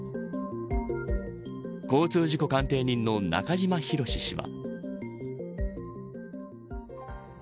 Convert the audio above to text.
交通事故鑑定人の中島博史氏は。